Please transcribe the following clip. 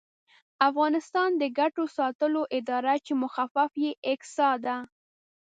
افغانستان د ګټو ساتلو اداره چې مخفف یې اګسا دی